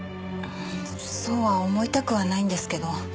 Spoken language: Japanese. そうは思いたくはないんですけど。